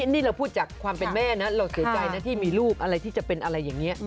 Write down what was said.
นี่เราพูดจากความเป็นแม่นะเราเสียใจนะที่มีลูกอะไรที่จะเป็นอะไรอย่างนี้